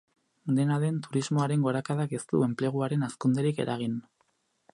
Dena den, turismoaren gorakadak ez du enpleguaren hazkunderik eragin.